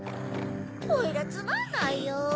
おいらつまんないよ。